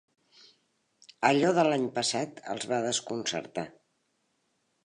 Allò de l'any passat els va desconcertar.